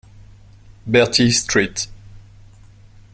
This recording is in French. Bertille St.